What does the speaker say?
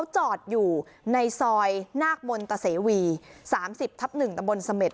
จอดอยู่ในซอยนาคมนตะเสวีสามสิบทับหนึ่งตะบนสเม็ด